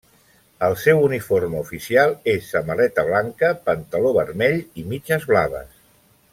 El seu uniforme oficial és samarreta blanca, pantaló vermell i mitges blaves.